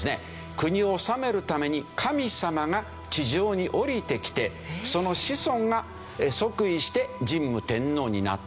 国を治めるために神様が地上に降りてきてその子孫が即位して神武天皇になった。